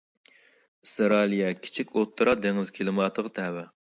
ئىسرائىلىيە كىچىك ئوتتۇرا دېڭىز كىلىماتىغا تەۋە.